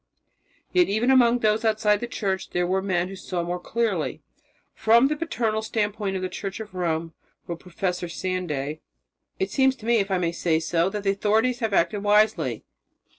Yet even among those outside of the Church there were men who saw more clearly. "From the paternal standpoint of the Church of Rome," wrote Professor Sanday, "it seems to me, if I may say so, that the authorities have acted wisely.